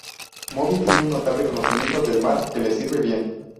Moby tiene un notable conocimiento del mar que le sirve bien.